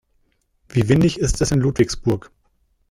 Wie windig ist es in Ludwigsburg?